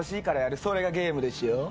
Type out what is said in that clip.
それがゲームでしょ？